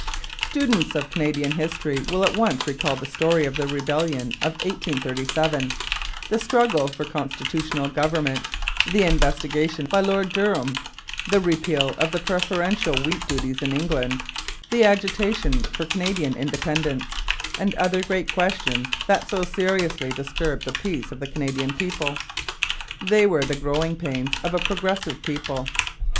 Students of Canadian history will at once recall the story of the Rebellion of 1837, the struggle for constitutional government, the investigation by Lord Durham, the repeal of the preferential wheat duties in England, the agitation for Canadian independence, and other great questions that so seriously disturbed the peace of the Canadian people. They were the 'growing pains' of a progressive people.